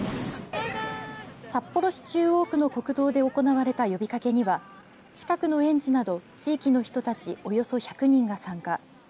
札幌市中央区の国道で行われた呼びかけには近くの園児など地域の人たちおよそ１００人が参加。